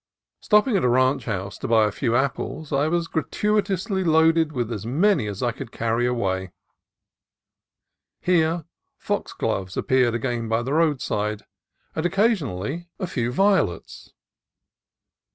Stopping at a ranch house to buy a few apples, I was gratuitously loaded with as many as I could carry away. Here foxgloves appeared again by the roadside, and occasionally a few vio 302 CALIFORNIA COAST TRAILS lets.